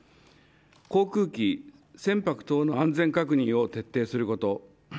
航空機、船舶等の安全確認を徹底すること。